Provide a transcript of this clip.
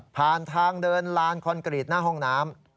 ผ่านทางเดินลานคอนกรีตหน้าห้องน้ำ